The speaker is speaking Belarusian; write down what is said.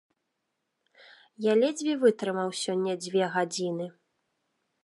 Я ледзьве вытрымаў сёння дзве гадзіны.